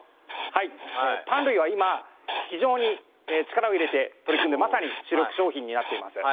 はいパン類は今非常に力を入れて取り組んでまさに主力商品になっています